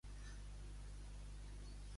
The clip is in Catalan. Amb Déu no s'hi juga.